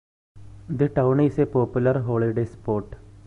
The town is a popular holiday spot.